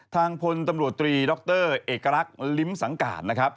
ทางพลฯตำรวจตรีดครเอกลักษณ์ลิมสังการ